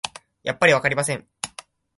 やっぱりわかりません